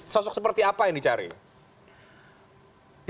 sosok seperti apa yang dicari